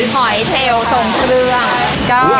หอยเชลล์ศรวงเตือน